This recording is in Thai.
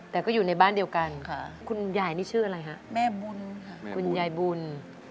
แต่ก็อยู่ในบ้านเดียวกันคุณยายนี่ชื่ออะไรฮะแม่บุญค่ะคุณยายบุญ